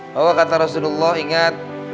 bahwa kata rasulullah ingat